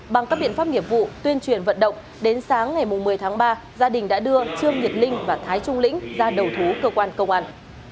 bằng các biện pháp nghiệp vụ tuyên truyền vận động đến sáng ngày một mươi tháng ba gia đình đã đưa trương nhật linh và thái trung lĩnh ra đầu thú cơ quan công an